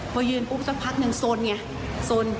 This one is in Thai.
พอยืนปุ๊บสักพักหนึ่งสนไงสน